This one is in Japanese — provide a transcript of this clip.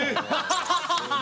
ハハハハ！